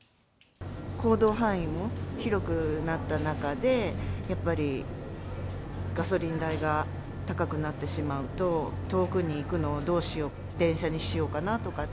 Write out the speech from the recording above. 行動範囲も広くなった中で、やっぱりガソリン代が高くなってしまうと、遠くに行くのはどうしよう、電車にしようかなとかって。